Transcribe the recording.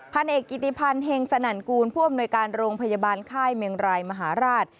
พันเอกกิติพันธ์เฮงสนั่นกูลผู้อำนวยการโรงพยาบาลค่ายเมงรายมหาราช